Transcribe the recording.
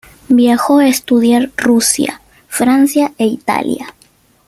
Viajó a estudiar a Rusia, Francia e Italia.